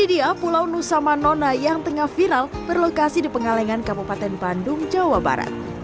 ini dia pulau nusamanona yang tengah viral berlokasi di pengalengan kabupaten bandung jawa barat